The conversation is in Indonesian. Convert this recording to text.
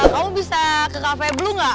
kamu bisa ke cafe blue gak